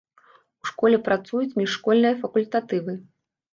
У школе працуюць міжшкольныя факультатывы.